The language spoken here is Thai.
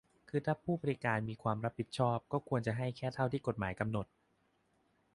คือถ้าผู้ให้บริการมีความรับผิดชอบ ก็ควรจะให้แค่เท่าที่กฎหมายกำหนด